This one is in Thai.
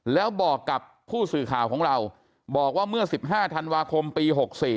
แล้วบอกกับผู้สื่อข่าวของเราบอกว่าเมื่อ๑๕ธันวาคมปี๖๔